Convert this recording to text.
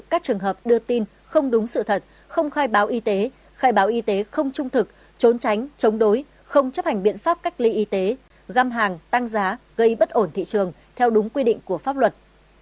các trường hợp đưa tin không đúng sự thật không khai báo y tế khai báo y tế không trung thực trốn tránh chống đối không chấp hành biện pháp cách ly y tế găm hàng tăng giá gây bất ổn thị trường theo đúng quy định của pháp luật